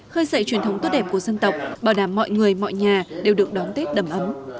khơi dậy truyền thống tốt đẹp của dân tộc bảo đảm mọi người mọi nhà đều được đón tết đầm ấm